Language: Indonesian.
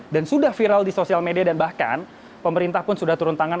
dan sudah viral di sosial media dan bahkan pemerintah pun sudah turun tangan